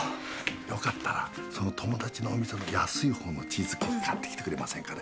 よかったらその友達のお店の安いほうのチーズケーキ買ってきてくれませんかね？